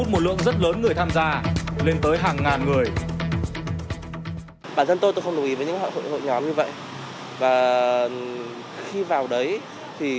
trong một thời gian dài